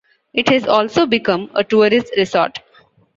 It has also become a tourist resort.